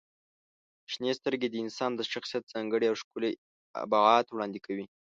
• شنې سترګې د انسان د شخصیت ځانګړی او ښکلی ابعاد وړاندې کوي.